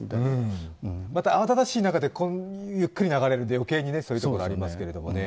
また慌ただしい中で、ゆっくり流れると余計にそういうところがありますけどね。